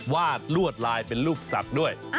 วาดลวดลายเป็นรูปสัตว์ด้วย